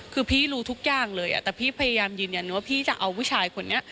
คือพี่รู้ทุกอย่างเลยแต่พี่พยายามยืนยันว่าพี่จะเอาผู้ชายคนนี้